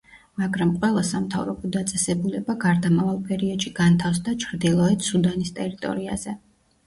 მაგრამ ყველა სამთავრობო დაწესებულება გარდამავალ პერიოდში განთავსდა ჩრდილოეთ სუდანის ტერიტორიაზე.